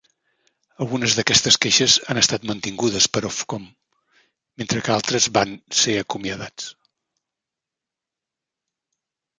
Algunes d'aquestes queixes han estat mantingudes per Ofcom, mentre que altres van ser acomiadats.